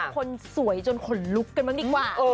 คนสวยจนขนลุกกันบ้างดีกว่า